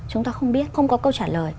chúng ta không biết không có câu trả lời